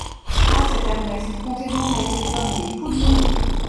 Ah ! cet Ernest, comptez donc avec les hommes, des poules mouillées !